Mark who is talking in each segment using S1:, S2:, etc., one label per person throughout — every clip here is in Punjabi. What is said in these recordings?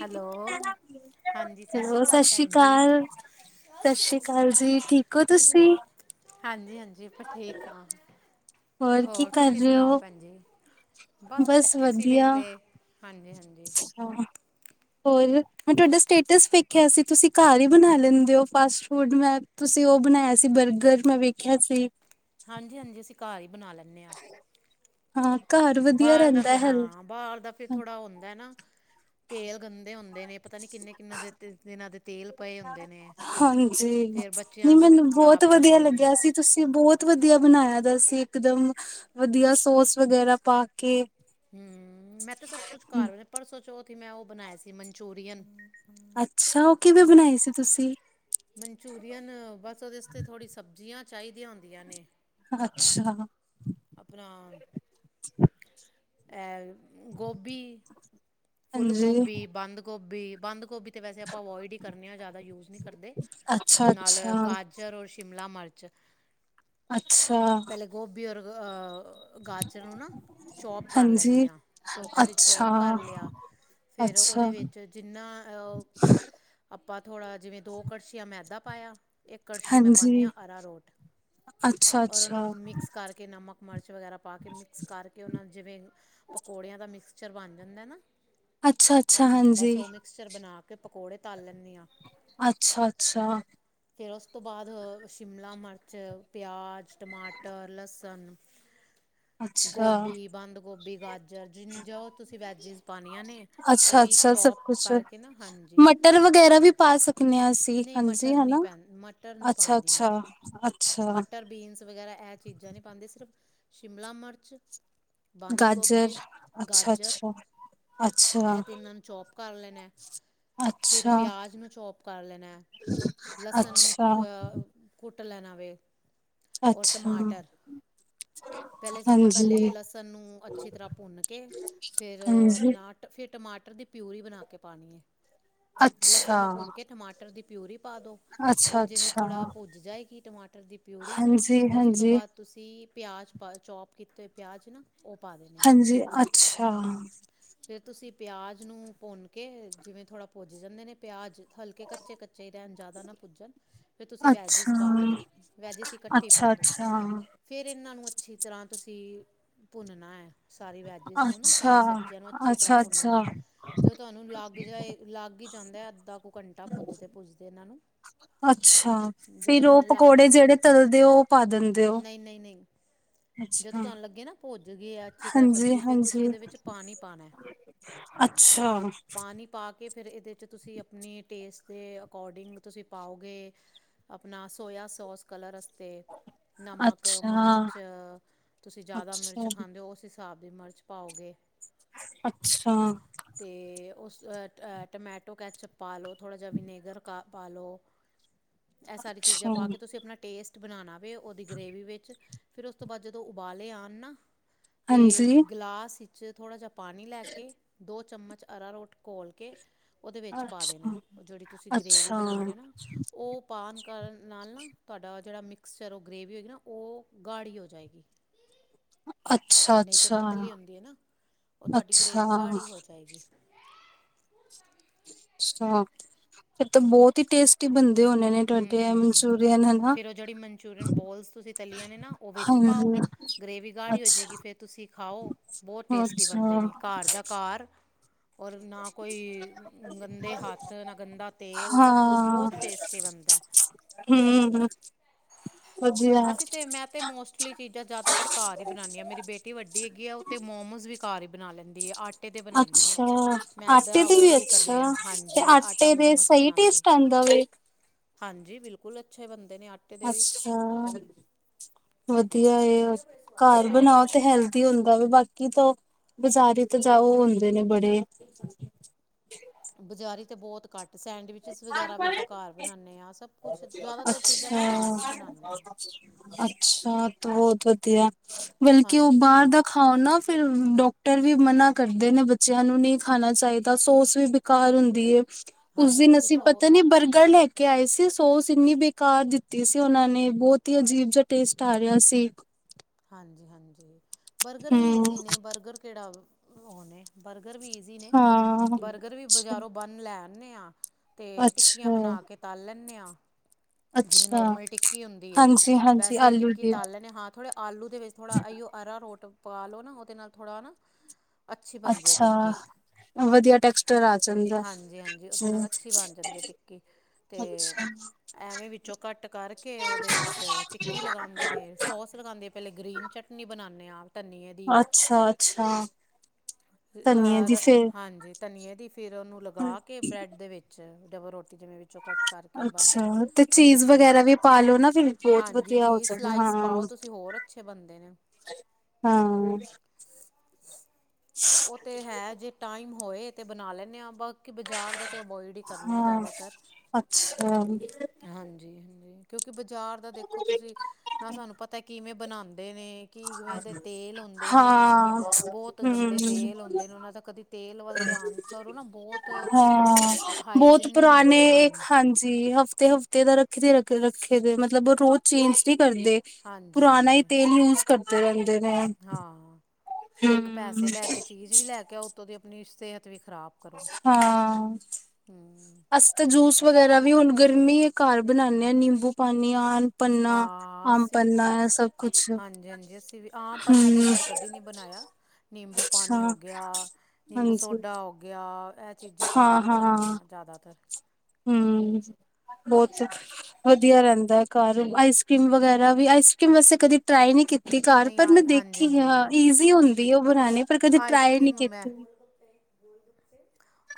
S1: ਹੈਲੋ ਹਾਂਜੀ ਸ਼੍ਰੀ
S2: ਸਤਿ
S1: ਅਕਾਲ
S2: ਸ੍ਰੀ
S1: ਭੈਣ ਜੀ।
S2: ਅਕਾਲ, ਸਤਿ ਸ੍ਰੀ ਅਕਾਲ ਜੀ ਠੀਕ ਹੋ ਤੁਸੀਂ??
S1: ਹਾਂਜੀ ਹਾਂਜੀ ਆਪਾਂ ਠੀਕ ਹਾਂ।
S2: ਕੀ
S1: ਹੋਰ
S2: ਕਰ
S1: ਤੁਸੀਂ
S2: ਰਹੇ
S1: ਸੁਣਾਓ
S2: ਹੋ?
S1: ਭੈਣ ਜੀ। ਬਸ ਬੈਠੇ ਸੀ ਵੇਲੇ, ਹਾਂਜੀ- ਹਾਂਜੀ।
S2: ਹਾਂ, ਹੋਰ ਮੈਂ ਤੁਹਾਡਾ ਸਟੇਟਸ ਵੇਖਿਆ ਸੀ ਤੁਸੀਂ ਘਰ ਹੀ ਬਣਾ ਲੈਂਦੇ ਹੋ ਫਾਸਟ ਫੂਡ ਮੈਂ ਤੁਸੀਂ ਉਹ ਬਣਾਇਆ ਸੀ ਬਰਗਰ ਮੈਂ ਵੇਖਿਆ ਸੀ।
S1: ਹਾਂਜੀ- ਹਾਂਜੀ, ਅਸੀਂ ਘਰ ਹੀ ਬਣਾ ਲੈਣੇ ਆ
S2: ਹਾਂ ਘਰ ਵਧੀਆ
S1: ਬਾਹਰ ਦਾ
S2: ਰਹਿੰਦਾ
S1: ਫਿਰ
S2: ਹੈਲ
S1: ਹਾਂ ਬਾਹਰ ਦਾ ਫਿਰ ਥੋੜ੍ਹਾ ਹੁੰਦਾ ਨਾ। ਤੇਲ ਗੰਦੇ ਹੁੰਦੇ ਨੇ ਇਹ ਪਤਾ ਨੀ ਕਿੰਨੇ -ਕਿੰਨਾਂ ਦੇ ਦਿਨਾਂ ਦੇ ਤੇਲ ਪਏ ਹੁੰਦੇ ਨੇ।
S2: ਹਾਂਜੀ,
S1: ਫਿਰ
S2: ਨੀ
S1: ਬੱਚਿਆਂ ਨੂੰ
S2: ਮੈਨੂੰ
S1: ਖ਼ਰਾਬ
S2: ਬਹੁਤ ਵਧੀਆ
S1: ਕਰਦੇ ਨੇ
S2: ਲੱਗਿਆ ਸੀ ਤੁਸੀਂ ਬਹੁਤ ਵਧੀਆ ਬਣਾਇਆ। ਸੀ ਇੱਕ ਦਮ ਵਧੀਆ ਸੋਸ ਵਗੈਰਾ ਪਾ ਕੇ
S1: ਹਮ, ਮੈਂ ਤੇ ਸਭ ਕੁਛ ਘਰ ਪਰਸੋ- ਚੋਥ ਕਿ ਮੈਂ ਉਹ ਬਣਾਇਆ ਸੀ ਮਨਚੂਰੀਅਨ।
S2: ਅੱਛਾ ਉਹ ਕਿਵੇਂ ਬਣਾਈ ਸੀ ਤੁਸੀਂ?
S1: ਮਨਚੂਰੀਅਨ ਬਸ ਉਹਦੇ ਵਾਸਤੇ ਥੋੜੀ ਸਬਜ਼ੀਆਂ ਚਾਹੀਦੀਆਂ ਹੁੰਦੀਆਂ ਨੇ
S2: ਅੱਛਾ
S1: ਆਪਣਾ ਏਹ ਗੋਭੀ ਫੁੱਲ
S2: ਹਾਂਜੀ
S1: ਗੋਭੀ, ਬੰਦ ਗੋ - ਗੋਭੀ, ਬੰਦ ਗੋਭੀ ਵੈਸੇ ਆਪਾ ਅਵੋਇਡ ਹੀ ਕਰਨੇ ਹਾਂ ਜ਼ਿਆਦਾ ਯੂਜ ਨੀ ਕਰਦੇ
S2: ਅੱਛਾ
S1: ਨਾਲ
S2: ਅੱਛਾ
S1: ਗਾਜਰ ਔਰ ਸ਼ਿਮਲਾ ਮਰਚ [unintelligible]
S2: ਅੱਛਾ
S1: ਪਹਿਲੇ ਗੋਭੀ ਔਰ ਗਾਜਰ ਨੂੰ ਨਾ ਚੋਪ ਕਰ
S2: ਹਾਂਜੀ
S1: ਲੈਂਨੇ ਆਂ ਚੋਪਰ ਵਿੱਚ
S2: ਅੱਛਾ
S1: ਚੋਪ ਕਰ ਲਿਆ ਫਿਰ
S2: ਅੱਛਾ
S1: ਉਹਦੇ ਵਿੱਚ ਜਿੰਨਾਂ [unintelligible] ਆਪਾਂ ਥੋੜਾ ਜਿਵੇਂ ਦੋ ਕੜਸ਼ੀਆਂ ਮੈਦਾ ਪਾਇਆ ਇਕ ਕੜਛੀ ਮੈਂ ਪਾਨੀ
S2: ਹਾਂਜੀ
S1: ਆ ਅਰਾਰੋਟ
S2: ਅੱਛਾ
S1: ਔਰ
S2: ਅੱਛਾ
S1: ਉਹਨੂੰ ਮਿਕਸ ਕਰਕੇ ਨਮਕ ਮਰਚ ਵਗੈਰਾ ਪਾ ਕੇ ਮਿਕਸ ਕਰਕੇ ਉਹਨਾਂ ਜਿਵੇਂ ਪਕੌੜਿਆਂ ਦਾ ਮਿਕਸ ਚਰਵਾਨ ਜਾਂਦੈ ਨਾ
S2: ਅੱਛਾ ਅੱਛਾ ਹਾਂਜੀ
S1: ਬਸ ਉਹ ਮਿਕਸਚਰ ਬਣਾ ਪਕੌੜੇ ਤਾਲ ਲੈਂਨੀ ਆ
S2: ਅੱਛਾ ਅੱਛਾ
S1: ਫਿਰ ਉਸ ਤੋਂ ਬਾਅਦ ਸ਼ਿਮਲਾ ਮਿਰਚ ਪਿਆਜ਼ ਟਮਾਟਰ ਲਸਨ
S2: ਅੱਛਾ
S1: ਗੋਭੀ ਬੰਦ ਗੋਭੀ ਗਾਜਰ ਜਿੰਜਰ ਜੋ ਤੁਸੀਂ ਵੈਜ ਪਾਨੀਆਂ ਨੇ ਉਹ
S2: ਅੱਛਾ
S1: ਵੀ
S2: ਅੱਛਾ ਸਭ
S1: ਚੋਪ
S2: ਕੁਛ
S1: ਕਰਕੇ ਨਾ ਹਾਂਜੀ
S2: ਮਟਰ ਵਗੈਰਾ ਵੀ ਪਾ ਸਕਦੇ ਹਾਂ ਅਸੀਂ
S1: ਨੀ
S2: ਹਾਂਜੀ
S1: ਮਟਰ ਨੀ
S2: ਹਨਾ
S1: ਮਟਰ ਨੀ
S2: ਅੱਛਾ
S1: ਪਾਂਦੀ ਮੈਂ
S2: ਅੱਛਾ ਅੱਛਾ
S1: ਮਟਰ ਬੀਨਸ ਵਗੈਰਾ ਇਹ ਚੀਜ਼ਾਂ ਨੀ ਪਾਂਦੀ ਸਿਰਫ ਸ਼ਿਮਲਾ ਮਰਚ
S2: ਗਾਜਰ ਅੱਛਾ ਅੱਛਾ ਅੱਛਾ
S1: ਇਹ ਤੇ ਇਹਨਾਂ ਨੂੰ ਚੋਪ ਕਰ ਲੈਨੈ ਫਿਰ
S2: ਅੱਛਾ
S1: ਪਿਆਜ ਨੂੰ ਚੋ ਪ ਕਾਰ ਲੈਨੈ ਲਸਨ ਨੂੰ
S2: ਅੱਛਾ
S1: ਅ ਕੁ ਲੈਨਾ ਵੇ
S2: ਅੱਛਾ
S1: ਟਮਾਟਰ ਪਹਿਲੇ ਸਭ ਤੋਂ ਪਹਿਲੇ
S2: ਹਾਂਜੀ
S1: ਲਸਨ ਨੂੰ ਅੱਛੀ ਤਰ੍ਹਾਂ ਭੁੰਨ ਕੇ ਫਿਰ
S2: ਹਾਂਜੀ
S1: [unintelligible] ਦੀ ਪਿਊਰੀ ਬਨਾ ਕੇ ਪਾਨੀ ਏ ਲਸਨ ਨੂੰ
S2: ਅੱਛਾ
S1: ਭੁੰਨ ਕੇ ਟਮਾਟਰ ਦੀ ਪਿਊਰੀ ਪਾ ਦੋ ਉਹ ਜਿਵੇਂ
S2: ਅੱਛਾ-ਅੱਛਾ,
S1: ਥੋੜਾ ਭੁੱਜ ਜਾਏਗੀ ਟਮਾਟਰ ਦੀ ਪਿਊਰੀ ਉਸ ਤੋਂ
S2: ਹਾਂਜੀ-ਹਾਂਜੀ, ਹਾਂਜੀ
S1: ਬਾਅਦ ਤੁਸੀਂ ਪਿਆਜ ਚੋਪ ਕੀਤੇ ਪਿਆਜ਼ ਨਾ ਉਹ ਪਾ
S2: ਹਾਂਜੀ ਅੱਛਾ
S1: ਫਰ ਤੁਸੀਂ ਪਿਆਜ ਨੂੰ ਭੁੰਨ ਕੇ ਜਿਵੇਂ ਥੋੜ੍ਹਾ ਭੁਜ ਜਾਂਦੇ ਨੇ ਪਿਆਜ ਹਲਕੇ ਕੱਚੇ ਕੱਚੇ ਰੈਹਨ ਜਿਆਦਾ ਨਾ ਪੁੱਜਨ ਫਿਰ ਤੁਸੀਂ
S2: ਅੱਛਾ,
S1: ਵੈਜਿਸ ਪਾ ਦੋ ਵੈਜਿਸ ਇਕਠੇ ਪਾ ਦੋ
S2: ਅੱਛਾ-ਅੱਛਾ,
S1: ਫੇਰ ਇਹਨਾਂ ਨੂੰ ਅੱਛੀ ਤਰ੍ਹਾਂ ਤੁਸੀਂ ਭੁੰਨਨਾ ਐ ਸਾਰੀ ਵੈਜਿਸ ਨੂੰ ਨਾ ਸਾਰੀ
S2: ਅੱਛਾ।
S1: ਸਬ ਅੱਛੀ ਤਰ੍ਹਾਂ
S2: ਅੱਛਾ-ਅੱਛਾ,
S1: ਭੁੰਨਣਾ
S2: ਅੱਛਾ ਅੱਛਾ
S1: ਜੋ ਤੁਹਾਨੂੰ ਲੱਗ ਜਾਏ ਲੱਗ ਹੀਈ ਜਾਂਦਾ ਹੈ ਅੱਧਾ ਕੁ ਘੰਟਾ ਪੁੱਜਦੇ ਪੁੱਜਦੇ ਇਹਨਾਂ ਨੂੰ
S2: ਅੱਛਾ
S1: ਜਦੋਂ
S2: ਫਿਰ ਉਹ
S1: ਤੁਹਾਨੂੰ ਲੱਗ
S2: ਪਕੌੜੇ ਜਿਹੜੇ ਤਲਦੇ ਹੋ ਉਹ ਪਾ ਦਿੰਦੇ ਹੋ।
S1: ਨਹੀਂ ਨਹੀਂ ਨਹੀਂ ਜਦੋਂ
S2: ਅੱਛਾ,
S1: ਤੁਹਾਨੂੰ ਲੱਗੇ ਨਾ ਭੱਜ ਗਏ ਆ ਅੱਛੀ ਤਰ੍ਹਾਂ ਸਬਜ਼ੀ ਫੇਰ
S2: ਹਾਂਜੀ-ਹਾਂਜੀ,
S1: ਤੁਸੀਂ ਇਹਦੇ ਵਿੱਚ ਪਾਣੀ
S2: ਅੱਛਾ
S1: ਪਾਣੀ ਪਾ ਕੇ ਫੇਰ ਇਹ ਦੇ ਚ ਤੁਸੀ ਆਪਣੇ ਟੇਸਟ ਅਕੋਡਿੰਗ ਤੁਸੀਂ ਪਾਓਗੇ ਆਪਣਾ ਸੋਇਯਾ ਸੋਸ ਕਲਰ ਅਸਤੇ ਨਮਕ
S2: ਅੱਛਾ।
S1: ਮਿਰਚ ਤੁਸੀਂ ਜਿਆਦਾ ਮਿਰਚ
S2: ਅੱਛਾ,
S1: ਖਾਂਦੇ ਹੋ ਸਾਬ ਦੀ ਮਿਰਚ ਪਾਓਗੇ।
S2: ਅੱਛਾ
S1: ਅਤੇ ਉਸ ਟਮੈਟੋ ਕੈਚਅਪ ਪਾ ਲੋ। ਥੋੜਾ ਜਿਹਾ ਵਿਨੇਗਰ ਕ ਪਾਲੋ ਇਹ ਸਾਰੀ ਚੀਜ਼ਾਂ
S2: ਅੱਛਾ,
S1: ਪਾ ਕੇ ਤੁਸੀਂ ਆਪਣਾ ਟੇਸਟ ਬਣਾਉਣਾ ਉਹਦੀ ਗ੍ਰੇਵੀ ਵਿੱਚ ਫਿਰ ਉਸ ਤੋਂ ਬਾਅਦ ਜਦੋਂ ਉਬਾਲੇ ਆਉਣ ਨਾ ਤੇ
S2: ਹਾਂਜੀ।
S1: ਗਲਾਸ ਵਿੱਚ ਥੜਾ ਜਿਹਾ ਪਾਣੀ ਲੈ ਕੇ ਦੋ ਚਮਚ ਅਰਾ ਰੋਟ ਘੋਲ ਕੇ ਉਹਦੇ ਵਿੱਚ ਪਾ
S2: ਅੱਛਾ,
S1: ਦੇਣਾ ਉਹ ਜਿਹੜੀ ਤੁਸੀਂ ਗ੍ਰਰੇਵੀ
S2: ਅੱਛਾ,
S1: ਬਣਾ ਰਹੇ ਹੋ ਨਾ ਉਹ ਪਾਉਣ ਕਰਨ ਨਾਲ ਨਾ ਤੁਹਾਡਾ ਜਿਹੜਾ ਮਿਕਸਚਰ ਉਹ ਗਰੇੇਵੀ ਹੋਏਗੀ ਨਾ ਉਹ ਗਾੜੀ ਹੋ ਜਾਏਗੀ। ਨਹੀਂ ਤਾ
S2: ਅੱਛਾ-ਅੱਛਾ,
S1: ਪਤਲੀ ਹੁੰਦੀ ਹੈ ਨਾ ਉਹ
S2: ਅੱਛਾ,
S1: ਤੁਹਾਡੀ ਗਰੇਵੀ
S2: ਅੱਛਾ।
S1: ਗਾੜ ਹੀ ਹੋ ਜਾਏਗੀ।
S2: ਅੱਛਾ ਫੇਰ ਤਾਂ ਬਹੁਤ ਹੀ ਟੇਸਟੀ ਬਣਦੀ।
S1: ਹੂੰ ਹੂੰ ਫਿਰ ਉਹ ਜਿਹੜੀ ਮਨਚੂਰੀਅਨ ਬੋਲਸ ਤੁਸੀਂ ਤੱਲੀਆਂ ਨੇ ਨਾ ਉਹ ਵਿੱਚ ਪਾਓ
S2: ਹਾਂਜੀ
S1: ਗ੍ਰਰੇਵੀ ਗਾੜੀ ਹੋ
S2: ਅੱਛਾ
S1: ਜਾਵੇਗੀ ਫਿਰ ਤੁਸੀਂ ਖਾਓ ਬਹੁਤ ਟੇਸਟੀ ਬਣਦੇ
S2: ਅੱਛਾ
S1: ਨੇ ਘਰ ਦਾ ਘਰ ਔਰ ਨਾ ਕੋਈ ਗੰਦੇ ਹੱਥ ਨਾ ਗੰਦਾ ਤੇਲ ਸਭ ਕੁਛ
S2: ਹਾਂ
S1: ਬਹੁਤ ਟੇਸਟੀ ਬਣਦਾ
S2: ਹੂੰ। ਵਧੀਆ
S1: ਅਸੀਂ ਤੇ ਮੈਂ ਤੇ ਮੋਸਟਲੀ ਚੀਜ਼ਾਂ ਜਿਆਦਾਤਰ ਘਰ ਹੀ ਬਣਾਨਦੀ ਆਾ ਮੇਰੀ ਬੇਟੀ ਵੱਡੀ ਹੈਗੀ ਆ ਉਹ ਤੇ ਮੋਮੋਸ ਵੀ ਘਰ ਹੀ। ਬਣਾ ਲੈਂਦੀ ਆਟਾ
S2: ਅੱਛਾ ਆਟੇ ਦੇ ਵੀ
S1: ਅਵੋਇਡ ਹੀ ਕਰਨੇ
S2: ਅੱਛਾ
S1: ਆ
S2: ਤੇ
S1: ਹਾਂਜੀ ਆਟਾ
S2: ਆਟੇ ਦੇ
S1: ਮੋਮੋਸ
S2: ਸਹੀ
S1: ਬਣਾਉਂਦੀ
S2: ਟੇਸਟ ਆਉਂਦਾ ਵੇ
S1: ਹਾਂਜੀ ਬਿਲਕੁਲ ਅੱਛੇ ਬਣਦੇ ਨੇ ਆਟੇ ਦੇ ਵੀ
S2: ਅੱਛਾ ਵਧੀਆ। ਘਰ
S1: ਹਾਂ
S2: ਬਣਾਓ ਤੇ ਹੈਲਦੀ ਹੁੰਦਾ ਵਾ ਬਾਕੀ ਕਿ ਤਾਂ ਬਾਜ਼ਾਰੀ ਤਾਂ ਜਾ ਉਹ ਹੁੰਦੇ ਨੇ ਬੜੇ
S1: ਬਜ਼ਾਰੀ ਤੇ ਬਹੁਤ ਘੱਟ ਸੈਂਡਵਿਚਸ ਵਗੈਰਾ ਵੀ ਆਪਾਂ ਘਰ ਬਣਾਉਂਦੇ ਹਾਂ ਸਭ ਕੁਛ ਜ਼ਿਆਦਾਤਰ ਚੀਜ਼ਾਂ ਆਪਾਂ ਘਰ ਹੀ ਬਣਾਉਂਦੇ ਹਾਂ
S2: ਅੱਛਾ-ਅੱਛਾ ਤੋ ਵਧੀਆ। ਬਲਕਿ ਉਹ
S1: ਹਾਂਜੀ
S2: ਬਾਹਰ
S1: ਹਾਂਜੀ
S2: ਦਾ ਖਾਓ ਨਾ ਫਿਰ ਡੌਕਟਰ ਵੀ ਮਨਾ ਕਰਦੇ ਨੇ ਬੱਚਿਆਂ ਨੂੰ ਨਹੀਂ ਖਾਣਾ ਚਾਹੀਦਾ, ਸੋਸ ਵੀ ਬੇਕਾਰ ਹੁੰਦੀ ਏ। ਉਸ
S1: ਹਾਂਜੀ
S2: ਦਿਨ
S1: ਉਹਨਾਂ ਦੀ
S2: ਅਸੀਂ
S1: ਸੌ
S2: ਪਤਾ ਨੀ ਬਰਗਰ ਲੈ ਕੇ ਕੇ ਆਏ ਸੀ ਸੋਸ ਇੰਨੀ ਬੇਕਾਰ ਦਿੱਤੀ ਸੀ, ਉਹਨਾਂ ਨੇ ਬਹੁਤ ਹੀ ਅਜੀਬ ਜ ਟੇਸਟ ਆ ਰਿਹਾ ਸੀ।
S1: ਹਾਂਜੀ, ਬਰਗਰ ਵੀ
S2: ਹਮ
S1: ਈਜ਼ੀ ਨੇ ਬਰਗਰ ਕਿਹੜਾ ਉਹ ਨੇ ਬਰ ਗਰ ਵੀ ਜ਼ੀ ਨੇ
S2: ਹਾਂ
S1: ਬਰਗਰ ਵੀ
S2: ਅੱਛਾ
S1: ਬਜ਼ਾਰੋਂ ਬੰਨ ਲੈਣ ਕਹਿੰਨੇ ਹਾਂ। ਤੇ ਟਿੱਕੀਆਂ
S2: ਅੱਛਾ
S1: ਬਣਾ ਕੇ ਤਲ ਲੈਂਦੇ ਆਂ, ਜਿਵੇਂ
S2: ਅੱਛਾ,
S1: ਨੋਰਮਲ ਟਿੱਕੀ ਹੁੰਦੀ ਏ
S2: ਹਾਂਜੀ ਹਾਂਜੀ
S1: ਵੈਸੇ
S2: ਆਲੂ
S1: ਟਿੱਕੀ
S2: ਦੀ
S1: ਤਲ ਲੈਂਦੇ ਹਾਂ ਥੋੜ੍ਹਾ ਆਲੂ ਦੇ ਵਿੱਚ ਥੋ੍ੜਾ ਅਰਾਰੋਟ ਪਾ ਲਓ ਨਾ ਉਹਦੇ ਨਾਲ ਥੋੜ੍ਹਾ ਹਨਾ ਅੱਛੀ ਬਣਦੀ ਹੈ
S2: ਅੱਛਾ
S1: ਟਿੱਕੀ
S2: ਵਧੀਆ ਟੈਕਸਚਰ ਆ ਜਾਂਦਾ
S1: ਹਾਂਜੀ- ਹਾਂਜੀ ਉਹਦੇ ਨਾਲ ਅੱਛੀ ਬਣ ਜਾਂਦੀ ਹੈ ਟਿੱਕੀ ਤੇ
S2: ਅੱਛਾ
S1: ਐਵੇਂ ਵਿੱਚੋਂ ਘੱਟ ਕਰਕੇ ਉਹਦੇ ਵਿੱਚ ਟਿੱਕੀ ਲਗਾਂਦੇ ਨੇ ਸੋਸ ਲਗਾਂਦੇ ਗਰੀਨ ਚਟਨੀ ਬਣਾਣੇ ਆਂ ਆਪ ਧਨੀਏ ਦੀ
S2: ਅੱਛਾ ਅੱਛਾ ਧਨੀਏ
S1: ਲਾ
S2: ਦੀ ਫੇਰ
S1: ਹਾਂਜੀ ਧਨੀਏ ਦੀ ਫਿਰ ਓਨੂੰ ਲਗਾ ਕੇ ਬ੍ਰੈਡ ਦੇ ਵਿੱਚ ਡਬਲ ਰੋ
S2: ਅੱਛਾ ਤੇ
S1: ਉਹਦੇ
S2: ਚੀਜ਼
S1: ਵਿੱਚ
S2: ਵਗੈਰਾ ਵੀ ਪਾ ਲੋ ਨਾ ਫਿਰ ਬਹੁਤ
S1: ਹਾਂਜੀ
S2: ਵਧੀਆ ਹੋ
S1: ਚੀਜ਼
S2: ਜਾਵੇ,
S1: ਸਲਾਈਸ
S2: ਹਾਂ
S1: ਪਾਓ ਤੁਸੀਂ ਹੋਰ ਅੱਛੇ ਬੰਦੇ ਨੇ
S2: ਹਾਂ
S1: ਉਹ ਤੇ ਹੈ ਜੇ ਟਾਈਮ ਹੋਏ ਤੇ ਬਣਾ ਲੈਂਨੇ ਆਂ ਬਾ ਬਾਕੀ ਬਜ਼ਾਰ ਦਾ ਤੇ ਅਵੋਇਡ ਹੀ ਕਰਦੇ ਆ
S2: ਹਾਂ
S1: ਜ਼ਿਆਦਾਤਰ
S2: ਅੱਛਾ
S1: ਹਾਂਜੀ। ਕਿਉ ਬਾਜ਼ਾਰ ਦਾ ਦੇਖੋ ਤੁਸੀਂ ਨਾ ਸਾਨੂੰ ਪਤਾ ਕਿਵੇਂ ਬਣਾਣ ਦੇ ਨੇ ਕਿਵੇਂ ਦੇ ਤੇਲ ਹੁੰਦੇ ਨੇ
S2: ਹਾਂ
S1: ਬਹੁਤ
S2: ਹੂੰ
S1: ਗੰਦੇ ਤੇਲ ਹੁੰਦੇ ਨੇ ਉਹਨਾਂ ਦਾ ਕਦੀ ਤੇਲ ਵੱਲ ਧਿਆਨ ਕਰੋ ਨਾ ਬਹੁਤ
S2: ਹਾਂ ਬਹੁਤ
S1: ਹਾਈਜੀਨ ਨਹੀਂ
S2: ਪੁਰਾਣੇ
S1: ਹੁੰਦੇ ਹਨ
S2: ਹਾਂਜੀ ਹਫ ਤੇ ਹਫਤੇ ਦਾ ਰੱਖਦੇ ਰ ਰੱਖੇ ਦੇ ਮਤਲਬ ਉਹ ਰੋਜ਼ ਚੇਂਜ ਨੀ ਕਰਦੇ
S1: ਹਾਂਜੀ
S2: ਪੁਰਾਣਾ ਹੀ
S1: ਹਾਂਜੀ
S2: ਤੇਲ ਯੂਜ ਕਰਦੇ ਰਹਿੰਦੇ ਨੇ
S1: ਹਾਂ ਇੱਕ
S2: ਹੂੰ
S1: ਪੈਸੇ ਲੈ ਕੇ ਚੀਜ਼ ਵੀ ਲੈ ਕੇ ਆ ਉੱਤੋਂ ਦੀ ਆਪਣੀ ਸਿਹਤ ਵੀ ਖ਼ਰਾਬ ਕਰੋ
S2: ਹਾਂ
S1: ਹਮ
S2: ਅਸੀ ਤਾਂ ਜੂਸ ਵਗੈਰਾ ਵੀ ਹੁਣ ਗਰਮੀ ਘਰ ਬਣਾਉਂਦੇ ਹਾਂ ਨਿੰਬੂ ਪਾਣੀ ਆਉਣ
S1: ਹਾਂ ਅਸੀਂ ਵੀ
S2: ਕੁਛ
S1: ਹਾਂਜੀ ਹਾਂਜੀ ਅਸੀਂ ਵੀ ਆਮ ਪੰਨਾ ਤੇ
S2: ਹੂੰ
S1: ਖੈਰ ਕਦੀ ਨੀ ਬਣਾਇਆ ਨਿੰਬੂ ਪਾਣੀ
S2: ਅੱਛਾ
S1: ਹੋਗ ਗਿਆ ਨਿੰਬੂ
S2: ਹਾਂਜੀ
S1: ਸੋਡਾ ਹੋਗ ਇਹ ਚੀਜ਼ਾਂ ਘਰ ਹੀ ਬਣਾਉਂਦੇ ਹਾਂ ਜ਼ਿਆਦਾ ੱਤਰ
S2: ਹਮ ਬਹੁਤ ਵਧੀਆ ਰਹਿੰਦਾ ਹੈ ਘਰ ਆਈਸ ਕਰ੍ਰੀਮ ਵਗੈਰਾ ਵੀ ਆਈਸ ਕਰ੍ਰੀਮ ਵੈਸੇ ਕਦੀ ਟਰਾਈ ਨੀ ਕੀਤੀ ਘ
S1: ਨਹੀਂ
S2: ਪਰ
S1: ਆ
S2: ਮੈਂ
S1: ਹਾਂਜੀ
S2: ਦੇਖੀ ਹਾਂ
S1: ਹਾਂਜੀ
S2: ਈਜ਼ੀ ਹੁੰਦੀ ਆ ਉਹ ਬਣਾਣੇ ਪਰ ਕਦੇ ਟਰਾਈ ਨਹੀਂੀ ਕੀਤੀ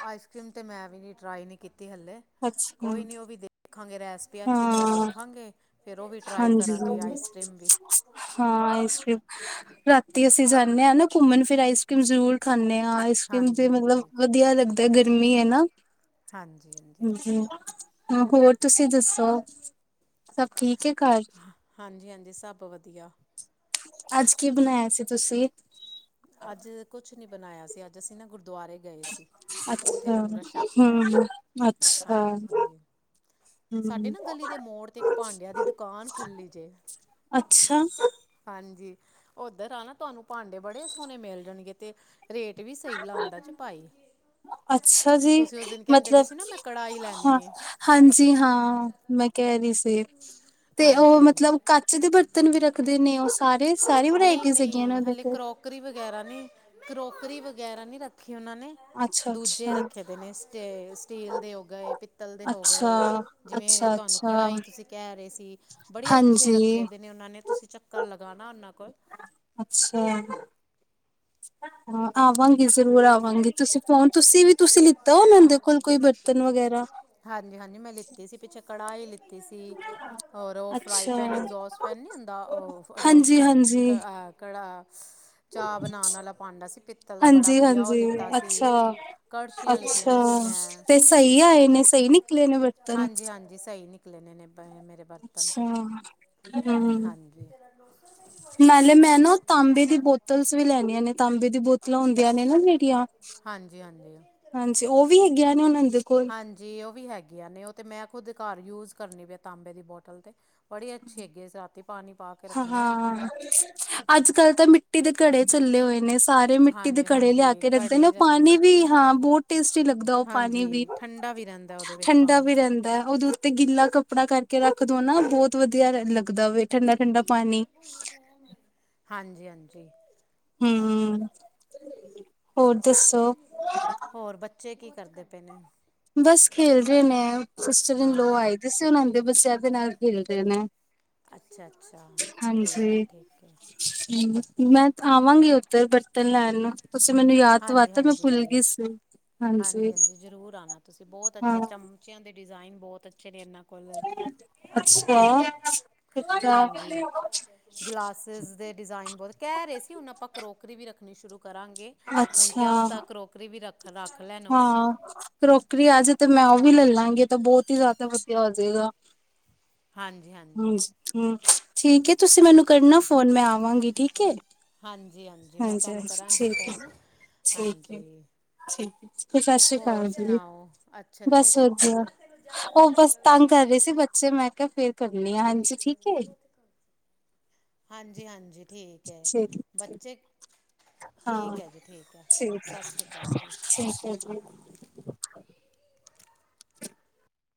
S1: ਆਈਸਕ੍ਰੀਮ ਤੇ ਮੈਂ ਵੀ ਨਹੀਂ ਟਰਾਈ ਨਹੀਂ ਕੀਤੀ ਹੱਲੇ
S2: ਅੱਛਾ
S1: ਕੋਈ ਨੀ ਉਹ ਵੀ ਦੇ ਦੇਖਾਂਗੇ ਰੈਸਪੀ ਅੱਛੀ ਤਰ੍ਹਾਂ
S2: ਹਾਂ
S1: ਦੇਖਾਂਗੇ ਫਿਰ ਉਹ ਵੀ ਟਰਾਈ
S2: ਹਾਂਜੀ
S1: ਕਰਾਂਗੇ ਆਈਸ ਕਰ੍ਰੀਮ ਵੀ
S2: ੀਮ ਰਾਤੀ ਅਸੀਂ ਜਾਂਦੇ ਹਾਂ ਨਾ ਘੁੰਮਣ ਫਿਰ ਆਈਸ ਕ੍ਰੀਮ ਜ਼ਰੂਰ ਖਾਂਦੇ ਹਾਂ ਆਈਸਕ੍ਰੀਮ ਜ
S1: ਹਾਂਜੀ
S2: ਮਤਲਬ
S1: ਹਾਂਜੀ
S2: ਵਧੀਆ ਲੱਗ ਗਰਮੀ ਹੈ ਨਾ
S1: ਹਾਂਜੀ
S2: ਹਾਂ ਹੋਰ ਤੁਸੀਂ ਦੱਸੋ ਠੀਕ ਏ?
S1: ਹਾਂਜੀ-ਹਾਂਜੀ ਸਭ ਵਧੀਆ
S2: ਅੱਜ ਕੀ ਬਣਾਇਆ ਸੀ ਤੁਸੀਂ?
S1: ਅੱਜ ਕੁਛ ਨੀ ਬਣਾਇਆ ਸੀ ਅੱਜ ਅਸੀਂ ਨਾ ਗੁਰ ਦੁਆਰੇ ਗਏ ਸੀ ਉੱਥੇ
S2: ਅੱਛਾ
S1: ਲੰਗਰ ਛਕ ਕੇ ਆਏ ਹ
S2: ਹਮ ਅੱਛਾ
S1: ਹਾਂਜੀ ਸਾਡੇ
S2: ਹਮ
S1: ਨਾ ਗਲੀ ਦੇ ਮੋੜ ਤੇ ਇੱਕ ਭਾਂਡਿਆਂ ਦੀ ਦੁਕਾਨ ਖੁੱਲੀ ਜੇ
S2: ਅੱਛਾ
S1: ਹਾਂਜੀ ਉੱਧਰ ਆਨਾ ਤੁਹਾਨੂੰ ਭਾਂਡੇ ਬੜੇ ਸੋਹਣੇ ਮਿਲ ਜਾਣਗੇ ਤੇ ਰੇਟ ਵੀ ਸਹੀ ਲਾਉਂਦਾ ਜੇ ਭਾਈ
S2: ਅੱਛਾ ਜੀ
S1: ਤੁਸੀਂ ਉਸ ਦਿਨ ਕਹਿੰਦੇ ਪਏ
S2: ਮਤਲਬ
S1: ਸੀ ਨਾ ਮੈਂ ਕੜਾਹੀ
S2: ਹਾਂ
S1: ਲੈਣੀ ਏ
S2: ਹਾਂਜੀ ਹਾਂ ਮੈਂ ਕਹਿ ਰਹੀ ਸੀ। ਤੇ ਤੇ ਉਹ
S1: ਹਾਂਜੀ ਹਾਂਜੀ
S2: ਮਤਲਬ ਕਚ ਦੇ ਬਰਤਨ ਵੀ ਰੱਖਦੇ ਨੇ ਉਹ ਸਾਰੇ ਸਾਰੀ
S1: ਨਹੀਂ
S2: ਵਰਾਇਟੀ ਹੈਗੀਆਂ ਨੇ
S1: ਨਹੀਂ
S2: ਓਂਦੇ
S1: ਹਲੇ
S2: ਕੋਲ?
S1: ਕਰੋਕਰੀ ਗੈਰਾ ਨੀ ਰੱਖ ਉਹਨਾਂ ਨੇ
S2: ਅੱਛਾ
S1: ਦੂਜੇ
S2: ਅੱਛਾ
S1: ਰੱਖੇ ਦੇ ਨੇ ਸਟੇ ਸਟੀਲ ਦੇ ਹੋ ਗਏ ਪਿੱਤਲ ਦੇ ਹੋ ਗਏ
S2: ਅੱਛਾ
S1: ਜਿਵੇਂ
S2: ਅੱਛਾ
S1: ਤੁਹਾਨੂੰ
S2: ਅੱਛਾ
S1: ਕੜਾਹੀ ਤੁਸੀਂ ਕਹਿ ਰਹੇ ਸੀ ਬੜੇ ਅੱਛੇ
S2: ਹਾਂਜੀ
S1: ਰੱਖੇ ਦੇ ਨੇ ਉਹਨਾਂ ਨੇ ਤੁਸੀਂ ਚੱਕਰ ਲ
S2: ਅੱਛਾ। ਹਾ ਆਹ ਜ਼ਰੂਰ ਆਵਾਂਗੀ। ਤੁਸੀਂ ਫੋਨ ਤੁਸੀਂ ਵੀ ਤੁਸੀਂ ਲਿੱਤਾ ਔਂਨਾਂ ਦੇ ਕੋਲ ਕੋਈ ਬਰਤਨ ਵਗੈਰਾ?
S1: ਕੜਾਈ ਲਿ ਤੀ ਸੀ, ਔਰ ਉਹ ਫਰਾਈ
S2: ਅੱਛਾ
S1: ਪੈਨ, ਐਗਜ਼ੋਸ ਫੈਨ ਨੀ ਹੁੰਂਦਾ, ਉਹ ਐਜੋਸ
S2: ਹਾਂਜੀ
S1: ਪੈਨ ਕ
S2: ਹਾਂਜੀ
S1: ਅ ਕੜਾਂ, ਸ ਚਾਹ ਬਣਾਉਣ ਵਾਲਾ ਭਾਂਡਾ ਸੀ, ਪਿੱਤਲ ਦਾ ਬੜਾ ਵਧ
S2: ਜੀ, ਅੱਛਾ।
S1: ਲਿੱਤੀਆਂ
S2: ਅੱਛਾ
S1: ਸੀ ਮੈਂ
S2: ਤੇ ਸਈ ਆਏ ਨੇ, ਸਈ ਨਿਕਲੇ ਨੇ ਬਰਤਨ?
S1: ਨਿਕਲਣੇ ਨੇ [unintelligible] ਮੇਰੇ ਬਰਤਨ ਤੇ।
S2: ਹੂੰ,
S1: ਹਾਂਜੀ
S2: ਨਾਲੇ ਮੈਂ ਨਾ ਤਾਂਬੇ ਦੀ ਬੋਤਲਸ ਵੀ ਲੈਣੀਆਂ ਨੇ ਤਾਂਬੇ ਦੀ ਬੋਤਲਾਂ ਹੁੰ ਦੀਆਂ ਨੇ ਨਾ ਜੇੜੀਆਂ,
S1: ਹਾਂਜੀ ਹਾਂਜੀ
S2: ਹਾਂਜੀ, ਉਹ ਵੀ ਹੈਗੀਆਂ ਨੇ ਉਹਨਾਂ ਦੇ ਕੋਲ?
S1: ਹਾਂਜੀ ਉਹ ਵੀ ਹੈਗੀਆਂ ਨੇ ਉਹ ਤੇ ਮੈਂ ਖੁਦ ਘਰ ਯੂਜ਼ ਕਰਨੀ ਪਿਆ ਤਾਂਬੇ ਦੀ ਬੋਟਲ ਤੇ। ਬੜੀ ਅੱਛੀ ਹੈਗੀ, ਅਸੀਂ ਰਾਂਤੀ
S2: ਹਾਂ-ਹਾਂ, ਅੱਜ ਕੱਲ ਤਾਂ ਮਿੱਟੀ ਦੇ ਘੜੇ ਚੱਲੇ ਹੋਏ ਨੇ। ਸਾਰੇ ਮਿੱਟੀ ਦੇ
S1: ਹਾਂਜੀ
S2: ਘੜੇ ਲਿਆ
S1: ਹਾਂਜੀ
S2: ਕੇ
S1: ਘੜੇ
S2: ਰੱਖਦੇ ਨੇ।
S1: ਹੀ
S2: ਉਹ
S1: ਰ-
S2: ਪਾਣੀ ਵੀ ਹਾਂ ਬੋਤ ਟੇਸਟੀ ਲੱਗਦੈ ਔ ਪਾਣੀ
S1: ਹਾਂਜੀ
S2: ਵੀ,
S1: ਠੰਡਾ ਵੀ ਰਹਿੰਦਾ ਉਹਦੇ ਵਿੱਚ
S2: ਠੰਡਾ
S1: ਪਾਣੀ
S2: ਵੀ ਰੈੰਦਾ। ਓਦੇ ਉ ਤੇ ਗਿੱਲਾ ਕੱਪੜਾ ਕਰਕੇ ਰੱਖ ਦੋ ਨਾ, ਬੌਤ ਵਧੀਆ ਰੈ ਲੱਗਦਾ ਵੇ, ਠੰਡ
S1: ਹਾਂਜੀ ਹਾਂਜੀ।
S2: ਹਮ
S1: ਜੀ।
S2: ਹੋਰ ਦੱਸੋ
S1: ਹੋਰ ਬੱਚੇ ਕੀ ਕਰਦੇ ਪੇ ਨੇ?
S2: ਬਸ ਖੇਲ ਰੇ ਨੇ। ਸਿਸਟਰ ਇਨ ਲੋ
S1: ਹਾਂ
S2: ਆਈ ਦੀ ਸੀ, ਔਨਾ ਨ ਤੇ ਬਚਿਆਂ ਦੇ ਨਾਲ ਖੇਲਦੇ ਨੇ।
S1: ਅੱਛਾ ਅੱਛਾ, ਠੀਕ ਹੈ
S2: ਹਾਂਜੀ
S1: ਠੀਕ ਏ।
S2: ਮੈਂ ਆਵਾਂਗੀ ਓਧਰ ਬਰਤਨ ਲੈਣ ਨੂੰ। ਤੁਸੀਂ ਮੈਨੂੰ ਯਾਦ
S1: ਹਾਂਜੀ
S2: ਦਵਾਤਾ ਮੈਂ ਭੁੱਲ
S1: ਹਾਂਜੀ
S2: ਗੀ ਸੀ, ਹਾਂਜੀ।
S1: ਤੁਸੀਂ ਬੌਤ
S2: ਹਾਂ
S1: ਅੱਛੇ ਚਮਚਿਆਂ ਦੇ ਡਿਜ਼ਾਈਨ ਬੌਤ ਅਛ ਚਨੇ ਏਨਾ ਕੋਲ।
S2: ਅੱਛਾ ਕਿੱਦਾਂ
S1: ਹਾਂਜੀ, ਗਿਲਾਸਿਸ ਦੇ ਡਿਜ਼ਾਇਨ ਬੌਤ ਕੈ ਰੇ ਸੀ ਹੁਨ ਆਪਾਂ ਕਰੋਕਰੀ ਵੀ ਰੱਖਨੀ ਸ਼ੁਰੂ ਕਰਾਂਗੇ‌, ਹੁਨ
S2: ਅੱਛਾ
S1: ਕਿਆ ਪਤਾ ਕਰੋਕਰੀ ਵੀ ਰਖ ਰੱਖ ਲੈਨ ਔ।
S2: ਹਾਂ ਕਰੋਕਰੀ ਆ ਜੇ ਤੇ ਮੈਂ ਔ ਵੀ ਲੇਲਾਂਗੀ ਏ ਤਾਂ ਬੌਤ ਈ ਜੈਦਾ ਵਧੀਆ ਹੋ ਜੇਗਾ।
S1: ਹਾਂਜੀ ਹਾਂਜੀ
S2: [unintelligible] ਠੀਕ ਐ ਤੁਸੀਂ ਮੈਨੂੰ ਕਰਨਾ ਫੋਨ ਮੈਂ ਆਵਾਂਗੀ ਠੀਕ ਏ।
S1: ਹਾਂਜੀ ਹਾਂਜੀ, ਮੈਂ ਤੁਹਾਨੂੰ ਕਰਾਂਗੀ ਫੋਨ।
S2: ਠੀਕ ਹੈ
S1: ਹਾਂਜੀ,
S2: ਠੀਕ ਹੈ ਸਤਿ ਸ਼੍ਰੀ
S1: ਹੋਰ
S2: ਅਕਾਲ ਜੀ।
S1: ਸੁਨਾਓ? ਅੱਛਾ ਨਈ,
S2: ਬਸ ਵਧੀਆ। ਉਹ ਬਸ ਤੰਗ ਕਰ ਰਹੇ ਸੀ ਬੱਚੇ ਮੈਂ ਕਿਹਾ ਫੇਰ ਕਰਨੀ ਆ ਹਾਂਜੀ ਠੀਕ ਹੈ।
S1: ਹਾਂਜੀ ਹਾਂਜੀ ਠੀਕ ਏ।
S2: ਠੀਕ
S1: ਬੱਚੇ
S2: ਹਾਂ,
S1: ਜੀ ਠੀਕ ਹੈ
S2: ਠੀਕ ਏ
S1: ਸਤਿ ਸ਼੍ਰੀ ਅਕਾਲ ਜੀ
S2: ਠੀਕ ਏ ਜੀ।